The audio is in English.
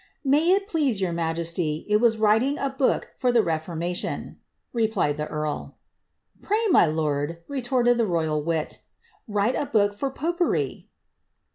'* May it please your majesty, it was writing a book for the Reforma /' replied the earl. Pray my lord,'' retorted the royal wit, "write a book for popery.'"